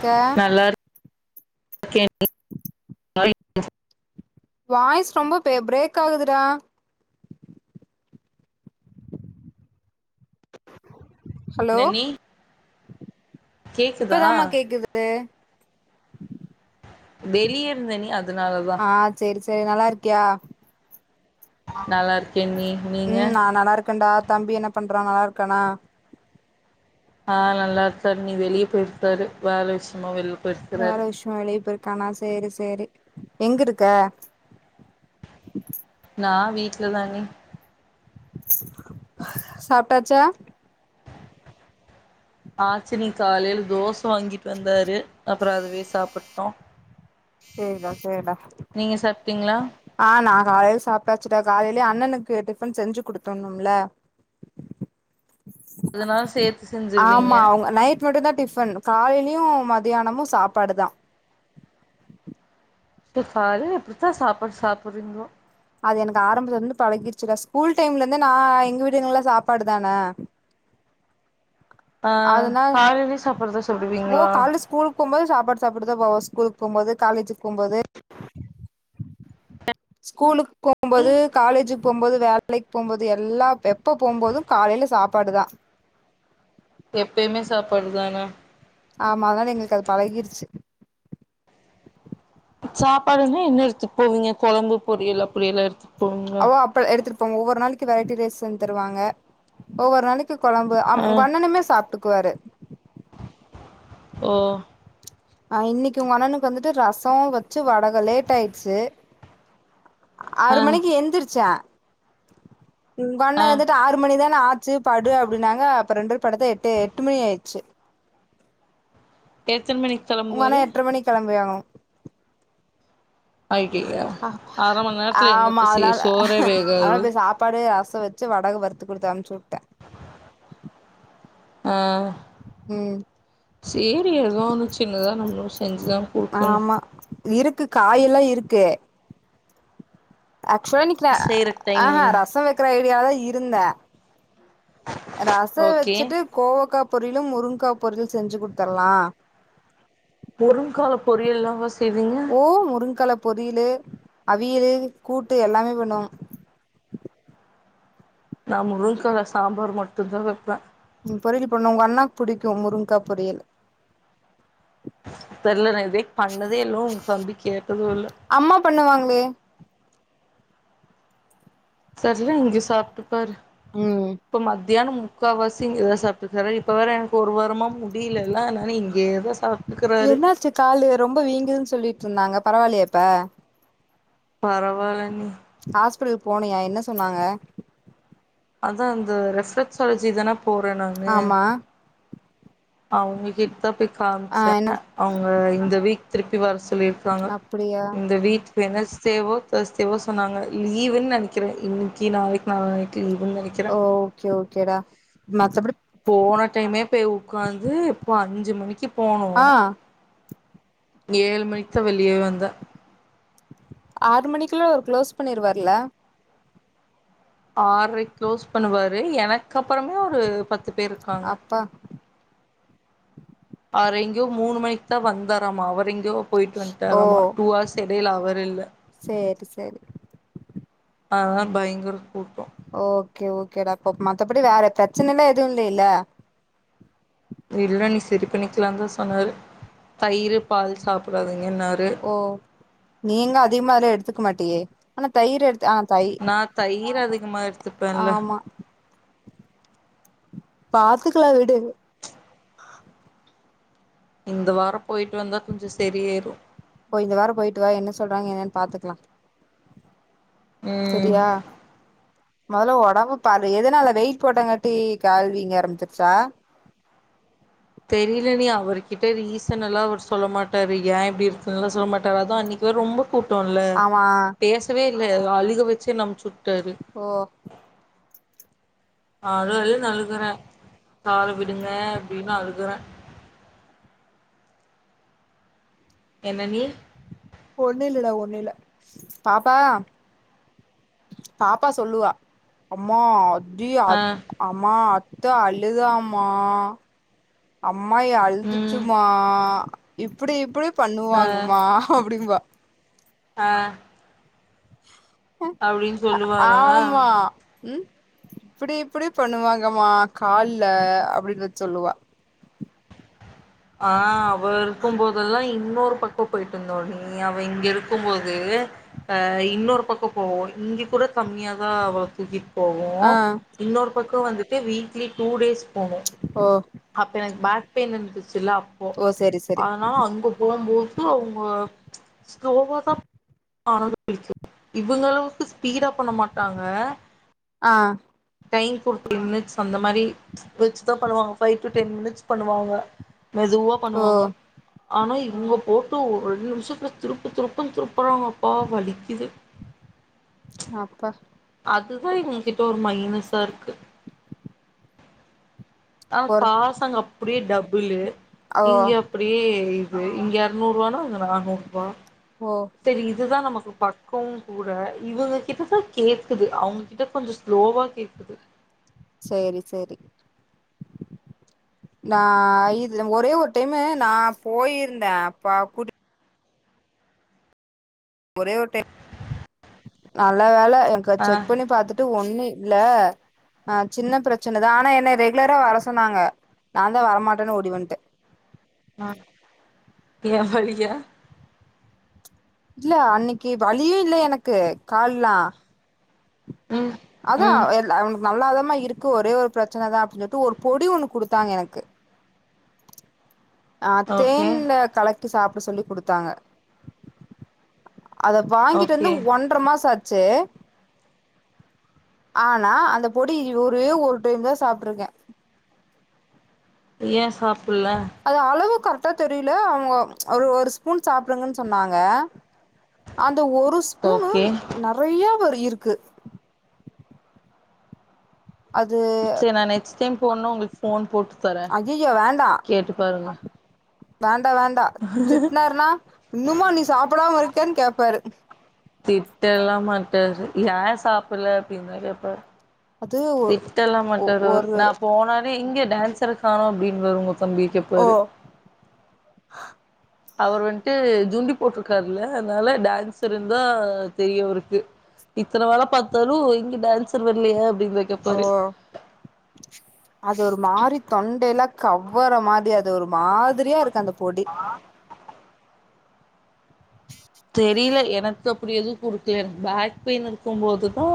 க்க okay [unintelligible] voice ரொம்ப பே பிரேக் ஆகுதுடா ஹலோ என்ன நீ கேக்குதா இப்பதாம்மா கேக்குது வெளிய இருந்த நீ அத் ஆஹ் சேரி சே சேர் நல்லாருக்கியா நல்லாருக்கே நீ நீங்க ம் நா நல்லா இருக்கேன்டா தம்பி என்ன பண்றான் நல்லாருக்கானா ஆஹ் நல்லா இருக்கார் நீ வெளியே போயிருக்கார் வேல விஷயமா வெல்ல வேற விஷியமா வெளிய போயிருக்கானா சேரி சேரி எங்க இருக்க நா வீட்லதா அண்ணி சாப்டாச்சா ஆச்சுடி காலைல தோச வாங்கிட்டு வந்தாரு அப்புறோ அதுவே சாப்பிட்டோ சேரிடா நீங்க சாப்டீங்ளா ஆஹ் நா காலையில சாப்பிட்டாச்சுடா காலையிலயே அண்ணனுக்கு டிஃபன் செஞ்சு குடுத்தடுணும்ல அதனால சேர்த்து செஞ்சிருவீங்க ஆமா அவங்க நைட் மட்டோதா டிஃப் பன் காலையிலயு மத்தியானமு சாப்பாடுதா எப்பப் பாரு எப்டித்தா சாப்பாடு சாப்டுறீங்களோ அது எனக்கு ஆரம்பத்துல இருந்து பழகிடுச்சுடா ஸ்கூல் டைம்லருந்து நா எங்க வீடுங்கல்ல சாப்பாடுதான ஆஹ் காலையிலயே சாப்பாடுதா சாப்டுவீங்களா சாப்புட்டுதா போவே ஸ்கூலுக்கு போகும்போது காலேஜுக்கு போகும்போது ஸ்கூலுக்கு போகும்போது காலேஜுக்கு போகும்போது வேலைக்கு போகும்போது எல்லா எப்ப போகும்போதும் காலைல சாப்பாடுதா எப்பயுமே சாப்பாடுதானா ஆமா அதனால எங்களுக்கு அது பழகிடுச்சு சாப்பாடுனா என்ன எடுத்துட்டு போவீங்க கொழம்பு பொரியல் அப்டியெல்லா எடுத்து அவ அப்ப எடுத்து ஒவ்வொரு நாளைக்கு வெரைட்டி ரைஸ் செஞ்சி தருவாங்க ஒவ்வொரு நாளைக் [unintelligible] கொழம்பு அ ஆ உங்கண்ணனுமே சாப்ட்டு குவாரு ஓ அஹ் இன்னிக்கு உங்க அண்ணனுக்கு வந்துட்டு ரசோ வெச்சு வடக லேட் ஆயிடுச்சு ஆ ஆறு மணிக்கு எந்திருச்சே [inaudible] ஆ உங்கண்ண வந்துட்டு ஆறு மணிதா ஆச்சு படு அப்டின்னாங்க அப்ப ரெண்டு பேரோ படத்தா எட்டு எட்டு மணி ஆயிடுச்சு டேக் உங்கண்ண எட்ர மணிக்கி கெளம்பியாகனு ஐய்யய்யோ அர மண் [inaudible] நேரத்துல என்னத்த ஆமா செய்ய அதனால சோறே அதனால வேகாது போய் சாப்பாடு ரசோ வெச்சு வடகு வறு த்து குடுத்து அமுச்சுட்டே ஆஹ் சேரி ஏதோ ஒன்னு சின்னதா நம்ம செஞ்சுதா குடுக்கணோ ஆமா இருக்கு காயெல்லா இருக்கு ஆக்சுவலா இன்னிக்கு செய்றக்கு டைம் ஆஹா இல்ல ரசோ வெக்கிற ஐடியாதா இரு இருந்தா ரசம் ஓகே வச்சுட்டு கோவக்கா பொருளும் முருங்கா பொரும் செஞ்சு குடுத்தர்லாம் முருங்க்கால பொரியல் எல்லா [unintelligible] ஓ முருங்கலப் பொரியலு அவியலு கூட்டு எல்லாமே பண்ணுவ நான் முருங்க்காவ சாம்பார் மட்டும்தா வப்பே பொரியல் பண்ணும் உங்க அண்ணாக்கு புடிக்கும் முருங்கா பொரியல தெரியல நான் இதவேக் பண்ணதே லோ உங்க தம்பி கேட்டதும் இல்ல அம்மா பண்ணுவாங்களே சரரி இங்க சாப்ட்டு பாரு ம் [unintelligible] தியானம் முக்காவாசி இங்க தான் சாப்பிட்டுருக்கறரு இப்போ வேற ஒருவாரமா முடியலல்ல ஆனாலும் இங்கேதான் சாப்டுக்கராறு சொன்னாங்க பரவாலையா இப்ப பரவால்ல நீ ஆஸ்பிட்டல் போனியா என்ன சொன்னாங்க அதா அந்த ரெஃபரஸாலஜி தானா போறேன்னாங்க ஆமா [unintelligible] அதா போய் ஆ காமிச்ச என்ன அவங்க இந்த வீக் திருப் டிவர்ஸ் சொல்லிருக்காங்க அப்டியா இந்த வீட் வெட்னெர்ஸ் டே ஓ தர்ஸ்டே வோ சொன்னாங்க லீவுன்னு நினைக்கிறேன் இன்னைக்கு நாளைக்கு நாளானைக்கு ஓ ஓகே ஓகேடா மத்தபடி போன டைமே போய் உக்காந்து இப்போ அஞ்சு மணிக்கு போனோ ஆ ஏழு மணிக்கு தான் வெளியேவே வந்தே ஆறு மணிக்குள்ள ஒரு குளோஸ் பண்ணிருவார்ல ஆர்ரைக்கு க்ளோஸ் பண்ணுவாரு எனக்கு அப்புறமே ஒரு பத் அப்பா அவரை எங்கயோ மூணு மணிக்கு தான் வந்தாரமா அவரை எங்கயோ போயிட்டு ஓ வன்ட்டாராமா டூ அவஹர்ஸ் எடைல அவர் இல்ல செரி ஆஹ் பயங்கர கூட்டம் ஓகே ஓகேடா அப்ப மத்தபடி வேற பிரச்சன எல்லா எதுவும் இல்லல்ல இல்ல நீ சரி பண்ணிக்கலாம் தான் சொன்னாரு தயிர் பால் சாப்பிடாதிங்க ஓ நீங்க அதிகமா அதுலா எடுத்துக்க மாட்டியே எனா தயிர் எடுத்தேன் ஆ தை நான் தயிர் அதிகமா எடுத்துப்பேன்ல ஆமா பாத்துக்கலா வீடு இந்த வாரம் போயிட்டு வந்தா கொஞ்சம் செரியாயிரும் போயிட்டு வாரம் போயிட்டு வா என்ன சொல்றாங்க என்னன்னு பாத்துக்கலாம் ம் செரியா மொதல்ல ஒடம்ப பாரு எதனால வெயிட் போட்டாங்காட்டி கால் வீங்க ஆரம்பிச்சிருச்சா தெரியல டி அவர்கிட்ட ரீசன் எல்லாம் அவர் சொல்ல மாட்டாரு ஏன் இப்படி இருக்குதுல்லாம் சொல்ல மாட்டாரு அதான் அன்னைக்கு ஒரு ரொம்ப கூப்டோம்ல ஆமா பேசவே இல்ல அழுக வச்சு என்ன அனுப்ச்சு விட் ஓ நான் அழத அழுத அழுகுறேன் கால விடுங்க அப்டின்னு அழுகுறேன் என்ன நி ஒண்ணு இல்லடா ஒண்ணுல பாப்பா பாப்பா சொல்லுவா அம்மா டியர் ஆ அது அம்மா அத்த அழுதாம்மா அம்மாயி ம் அழுதுச்சும்மா இப்புடி இப்புடு பண்ணுவாங்கம்மா அப்டிம்பா ஹ [inaudible] த அ சொல்லுவாளா ஆமா உம் இப்டி இப்டி பண்ணுவாங்கம்மா கால்ல அப்டின்னு வந்து சொல்லுவா ஹா ஆ இருக்கும்போதெல்லா இங் இன்னொரு பக்கம் போயிட்டு இருந்தோ நீ அவ இங்க இருக்கும் போது ஆ இன்னொரு பக்கம் போவோ இங்கு கூட கம்மியாதா அவள தூக்கிட் போவோ ஆ இன்னொரு பக்கம் வந் வீக்லி டூ டேஸ் போனோ ஓ அப்ப எனக்கு பேக் பெயின் இருந்துச் ந்துச்சில அப்போ ஓ செரி செரி அதனால அங்க போம்போது [unintelligible] அவங்க ஸ்லோவாதா [unintelligible] இவங்க அளவுக்கு ஸ்பீடா பண்ண மாட்டாங்க ஆ டைம் ஃபிப்டி மினிட்ஸ் அந்த மாரி வச்சுதா பண்ணுவாங்க ஃபைவ் டூ டென் மினிட்ஸ் பண்ணுவாங்க மெதுவா ஓ பண்ணுவாங்க ஆனா இவங்க போட்டு ஒரு நிமிஷத்துலாதிருப்பு திருப்புன்னு திருப்புறாங்கப்பா வலிக்குது ஆப்பா அதுதான் இவங்ககிட்ட ஒரு மைனஸா இருக்கு ஆனா ஒரு பாசங்க அப்படியோ டபுள்லு ஓ இங்க அப்படியே எரி இங்க நூறு ரூவானா அங்க நானூறு ரூபா ஓ தெரிய இதுதான் நம பக்கம் கூட இவங்க கிட்டதான் கேக்குது அவங்க கிட்ட கொஞ்சம் ஸ்லோவா கேக்குது சரி சரி நா இது ஒரே ஒரு டைமு நா போயிருந்தேன் அப்ப குடி ஒரே ஒரு டையம் நல்ல வேலை ஆ எனகுசெக் பண்ணி பாத்துட்டு ஒன்னுயி இல்ல ஆஹ் சின்ன பிரச்சனைதான் ஆனா என்னை ரெகுலரா வர சொன்னாங்க நான் தான் வரமாட்டேன்னு ஓடிவந்துடேன் ஆஹ் எய வலியா இல்ல அன்னைக்கு வழியும் இல்ல எனக்கு கால்லாம் ம் ம் அதான் எல் அவனக்கு நல்ல அத [inaudible] இருக்கு ஒரே ஒரு பிரச்சனை தான் அப்டின்ட்டு சொல்லிட்டு ஒரு பொடி ஒன்னு கொடுத்தாங்க எனக்கு அத் ஓகே தேன்ல கலக் சாப்ட சொல்லி கொடுத்தாங்க அத வாங்கிட்டு ஓகே வந்து ஒன்றரை மாச ஆச்சி ச்சே ஆனா அந்த பொடி ஒரே ஒரு டைம் தான் சாப்பிட்டுருக்கேன் ஏ சாப் அது அளவு கரெட்டா தெரியல அவுங்க ஒரு ஒரு ஸ்பூன் சாப்புடுங்க சொன்னாங்க அந் ஒரு ஸ்பூன்னு ஓகே நிறைய வரி இறுக்கு அது சரி நான் நெக்ஸ்ட் டைம் போடனும் உங்க ஓன் போடு பற கேட்டு பாருங்க வன் இல்ல வேண்டா திட்டுனாருனா இன்னுமா நீ சாப்பிடாம இருக்கன்னு கேப்பாரு திட்ட எல்லாம் மாட்டாரு ஏன் சாப்புல அப்பிடினு கேப்பாரு அது ஒ திட்டலாம் ஒ மட்டாரு ஒரு நான் போனாலே இங்க டான்ஸ் இருக் காணு அப்படின்னு வருவோ தம்பி ஓ கேப்பரு அவர் வன்டு சுங்கி போட்டிருக்காருல்ல அதுனால டான்சர்ந்தான் தெரியவருக்கு இத்தன வேலை பார்த்தாலும் இங்க டான்சர் வரலைய ஓ அது ஒரு மாறித் தொண்டையல்லாம் கவ்வற மாதிரி அது ஒரு மாதிரியா இருக்கு அந்த பொடி தெரியல எனக்கு அப்டி எதும் குடுக்கல என பேக் பெயின் இருக்கும் போதுதா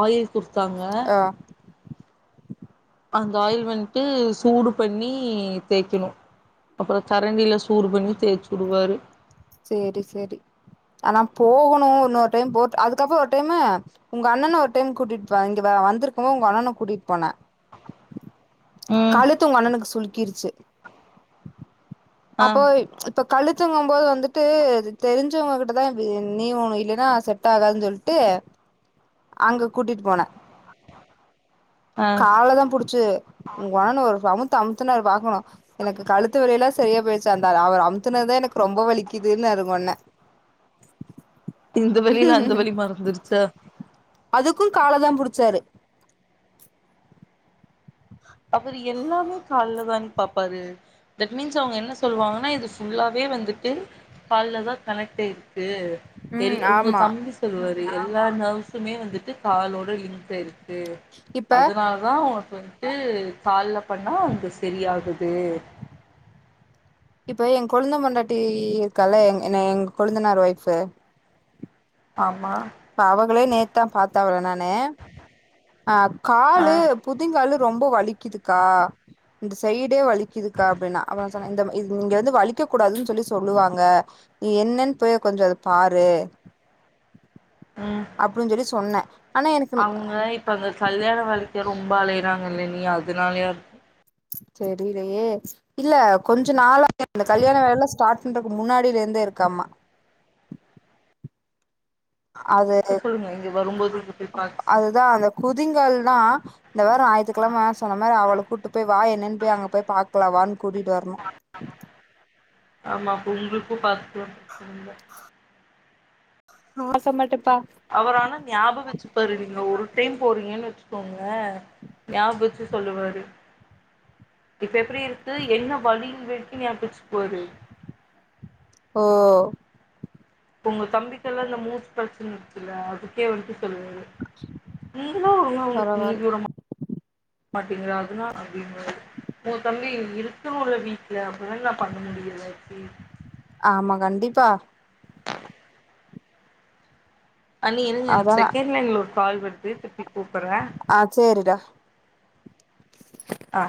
ஆயில் குடுத்தாங்க ஆ அந்த ஆயில் வந்ட்டு சூடு பண்ணி தேய்க்கணு அப்புறோ கரண்டில சூடு பண்ணி தேச்சு உடுவாரு சேரி சேரி ஆனா போகணு இன்னொரு டைம் போட் அதுக்கப்புறோ ஒரு டைமு உங்க அண்ணனை ஒரு டைம் கூட்டிட்டு போன் இங்க வந்திருக்கும் போது உங்க அண்ணன கூட்டிட்டு போனே ம் கழுத்து உங்க அண்ணனுக்கு சுலுக்கு [unintelligible] ஆ அப்போ இப்ப கழுத்தங்கும் போது வந்துட்டு தெரிஞ்சவங்ககிட்டதான் நீ வொணும் இல்லைன்னா செட் ஆகாதுன்னு சொல்லிட்டு அங்க கூட்டிட்டு போன ஆ காலை தான் புடிச்சு உங்க அண்ணன [unintelligible] ட்டு அம்தனார் பாக்கணும் எனக்கு கழுத்து வலி எல்லாம் சரியா போயிச்சு அந்த அவர் அமுத்துனதான் எனக்கு ரொம்ப வலிக்குதுன்னாரு உங்க அண்ண இந்த வழியில அந்த வலி மறந்துருச்சா அதுக்கும் காலதா புடிச்சாரு அவரு எல்லாமே கால்லதாங்க பாப்பாரு தட் மீன்ஸ் அவங்க என்ன சொல்வாங்கன்னா இது ஃபுல்லாவே வந்துட்டு கால்லதா கனெக்ட் ஆயிருக்கு ல் ம் உங்க ஆமா தம்பி சொல்வாரு எல்லா நர்வஸுமே வந்துட்டு காலோட லிங்க் ஆயி இருக்கு இப்ப சரி அதனால தான் [inaudible] ட்டு கால்ல பண்ணா அங்க சரியகுது இப்ப என் கொழந்தன் பொண்டாட்டி இருக்கால்ல என் எங்க கொழுந்தனார் ஒய்ஃப்பு ஆமா இ அவர்களே நே தான் பா்த்தாவல நானே அஹ ஆ காளு புதிங்கால ரொம்ப வலிக்குதுக்கா இந்த சைடே வலிக்குதுக்கா அப்டின்னா அப்புற சொன்ன இந்த நீங்க வந்து வலிக்க கூடாதுன்னு சொல்லி சொல்லுவாங்க நீ என்னன்னு போய கொஞ்சம் அத பாரு உம் அப்டின்னு சொல்லி சொன்னே ஆனா எனக்கு அவங்க இப்ப அந்த கல்யாண வழிக்க ரொம்ப அலையறாங்க ல்ல நீ அதுனாலயா இருக்கு தெரியலையே இல்ல கொஞ்ச நாளா இந்த கல்யாண வேலைல்லா ஸ்டார்ட் பண்றக்கு முன்னாடியில இருந்தே இருக்காமா அது சொல்லுங்க இங்க வரும்போது இங்க போய் பாக்க சொல்லுங்க அதுதான் அந்த குதிங்கள் நா இந்த வாரோ ஆயித்துக்கெழம சொன்ன மாரி அவள கூட்டு போய் வா என்னன்ன போய் அங்க போய் பாக்கலா வான்னு கூடிட்டு வரணும் ஆமா அப்ப உங்களுக்கும் பாத்துக்கிறோம் பிரச்சனைல் ஆ [unintelligible] அவரால ஞாபக ருங்க ஒரு டைம் போறீங்கன்னு வச்சுக்கோங்க ஞாபகம் வச்சுட்டு சொல்லுவாரு இப்ப எப்டி இருக்கு என்ன வழியில் வெட் [unintelligible] [unintelligible] ஓ உங்க தம்பிக்கல்லாம் [unintelligible] [unintelligible] [inaudible] [unintelligible] பரவால்ல பண்ண முடியல இப்டி ண்டிப்பா அண்ணி இருங்க எனக் செகண்ட்லைன்ல ஒரு கால் வர்து ஆஹ் ச்சேரிடா ஆ